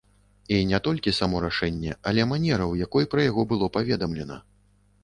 І не толькі само рашэнне, але манера, у якой пра яго было паведамлена.